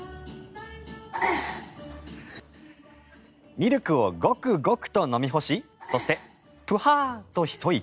ミルクをゴクゴクと飲み干しそして、ぷはーとひと息。